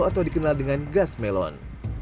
atau dikenal dengan gas melon